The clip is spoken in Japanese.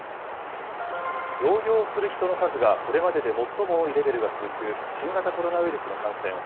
療養する人の数がこれまでで最も多いレベルが続く新型コロナウイルスの感染。